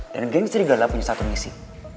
dan geng serigala punya satu misi